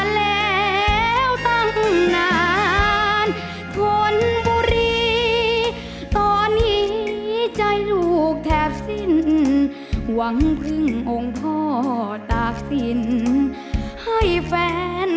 รุ่นดนตร์บุรีนามีดังใบปุ่ม